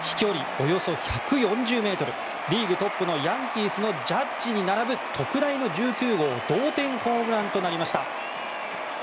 およそ１４０ｍリーグトップのヤンキースのジャッジに並ぶ特大の１９号同点ホームランとなりました。